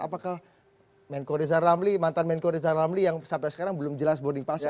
apakah mantan menko reza ramli yang sampai sekarang belum jelas boarding pass nya